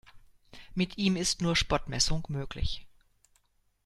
Mit ihm ist nur Spotmessung möglich.